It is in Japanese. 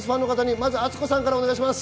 まずはアツコさんからお願いします。